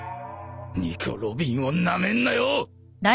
ニコ・ロビンをなめんなよ！